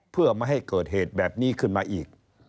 เพื่อไม่ให้เกิดเหตุแบบนี้ขึ้นมาอีก